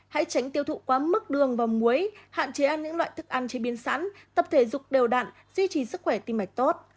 hãy tránh tiêu thụ quá mức đường và muối hạn chế ăn những loại thức ăn chế biến sẵn tập thể dục đều đạn duy trì sức khỏe tim mạch tốt